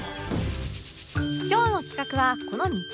今日の企画はこの３つ